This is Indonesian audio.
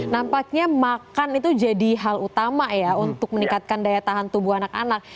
nampaknya makan itu jadi hal utama ya untuk meningkatkan daya tahan tubuh anak anak